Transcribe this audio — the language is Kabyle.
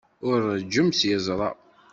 Ur ṛejjem s yeẓra.